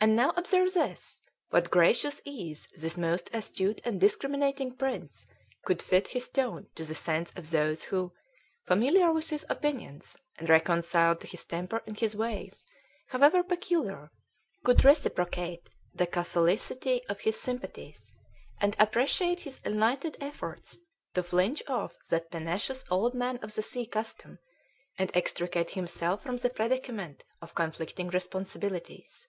And now observe with, what gracious ease this most astute and discriminating prince could fit his tone to the sense of those who, familiar with his opinions, and reconciled to his temper and his ways, however peculiar, could reciprocate the catholicity of his sympathies, and appreciate his enlightened efforts to fling off that tenacious old man of the sea custom, and extricate himself from the predicament of conflicting responsibilities.